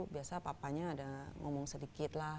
biasa papanya ada ngomong sedikit lah